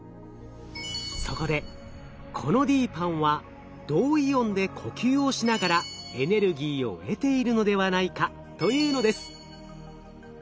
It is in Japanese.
そこでこのＤＰＡＮＮは銅イオンで呼吸をしながらエネルギーを得ているのではないかというのです。